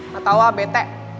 gak tau ah bete